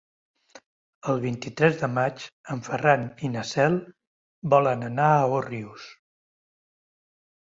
El vint-i-tres de maig en Ferran i na Cel volen anar a Òrrius.